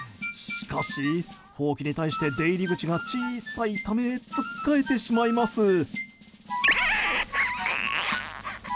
しかし、ほうきに対して出入り口が小さいためつっかえてしまいます。